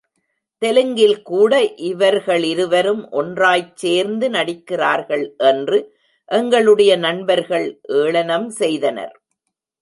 தெலுங்கில்கூட இவர்களிரு வரும் ஒன்றாய்ச் சேர்ந்து நடிக்கிறார்கள் என்று எங்களுடைய நண்பர்கள் ஏளனம் செய்தனர்.